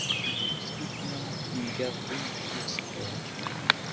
On construit finalement une gare d'eau sur ces terrains.